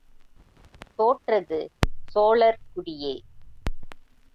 தோற்றது சோழர் குடியே!